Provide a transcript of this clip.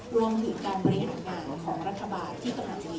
วรวมถึงการบริหารงานของรัฐบาลที่ต้องยืน